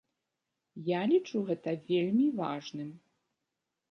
Я лічу гэта вельмі важным.